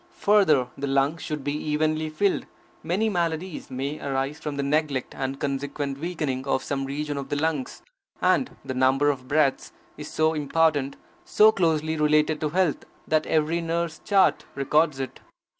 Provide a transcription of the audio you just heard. Further, the lungs should be evenly filled; many maladies may arise from the neglect and consequent weakening of some region of the lungs. And the number of breaths is so important, so closely related to health, that every nurse's chart records it.